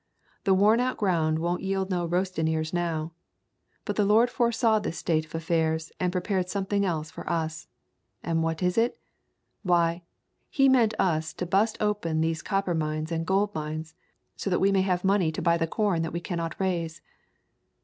The worn out ground won't yield no roastin' ears now. But the Lord foresaw this state of af fairs, and prepared something else for us. And what is it? Why, He meant us to bust open these copper mines and gold mines, so that we may have money to buy the corn that we cannot raise.""